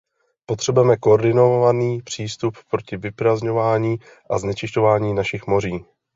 Potřebujeme koordinovaný přístup proti vyprazdňování a znečišťování našich moří.